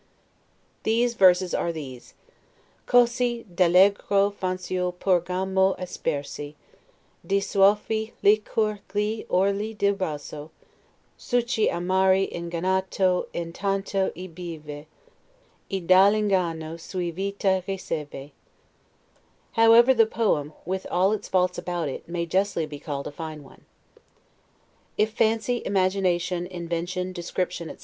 These verses are these: "Cosi all'egro fanciul porgiamo aspersi Di soavi licor gli orli del vaso: Succhi amari ingannato intanto ei beve, E dall' inganno suo vita riceve." However, the poem, with all its faults about it, may justly be called a fine one. If fancy, imagination, invention, description, etc.